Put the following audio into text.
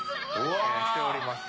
しておりますね。